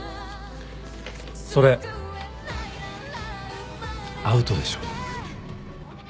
それアウトでしょ？